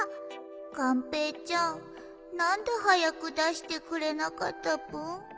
がんぺーちゃんなんではやくだしてくれなかったぷん？